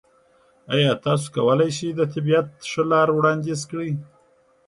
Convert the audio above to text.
ایا تاسو کولی شئ د طبیعت ښه لار وړاندیز کړئ؟